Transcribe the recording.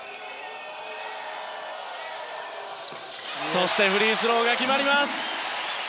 そしてフリースローが決まります。